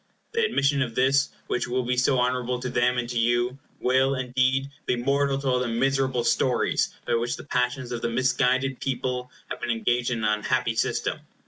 The admission of this, which will be so honorable to them and to you, will, indeed, be mortal to all the miserable stories by which the passions of the misguided people have been engaged in an unhappy system.